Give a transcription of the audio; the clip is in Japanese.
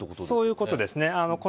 そういうことですね。